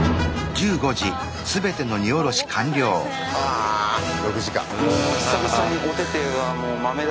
あ６時間。